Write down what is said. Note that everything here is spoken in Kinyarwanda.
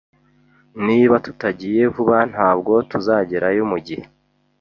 Niba tutagiye vuba, ntabwo tuzagerayo mugihe